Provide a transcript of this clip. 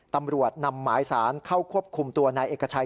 ตำรวจนำหมายสารเข้าควบคุมตัวนายเอกชัย